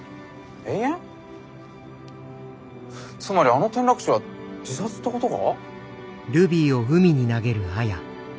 つまりあの転落死は自殺ってことか？